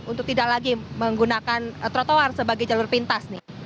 untuk tidak lagi menggunakan trotoar sebagai jalur pintas